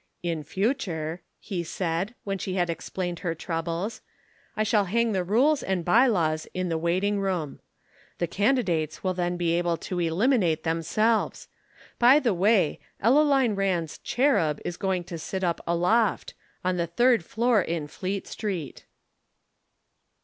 "In future," he said, when she had explained her troubles, "I shall hang the rules and by laws in the waiting room. The candidates will then be able to eliminate themselves. By the way, Ellaline Rand's Cherub is going to sit up aloft, on a third floor in Fleet Street."